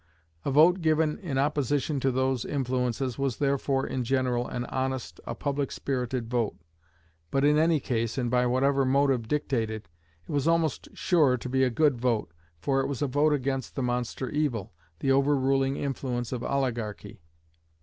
A vote given in opposition to those influences was therefore, in general, an honest, a public spirited vote; but in any case, and by whatever motive dictated, it was almost sure to be a good vote, for it was a vote against the monster evil, the overruling influence of oligarchy.